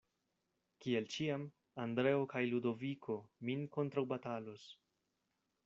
Kiel ĉiam, Andreo kaj Ludoviko min kontraŭbatalos.